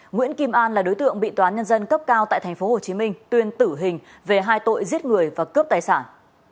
nguyễn kim an là đối tượng bị tòa án nhân dân cấp cao tại tp hcm tuyên tử hình về hai tội giết người và cướp tài sản